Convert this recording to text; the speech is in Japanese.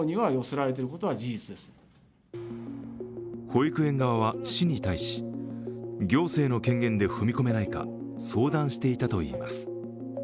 保育園側は市に対し、行政の権限で踏み込めないか、相談していたといいます。